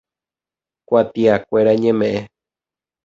Kuatiakuéra ñemeʼẽ.